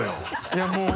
いやもう。